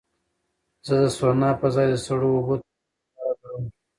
زه د سونا په ځای د سړو اوبو تجربه غوره ګڼم.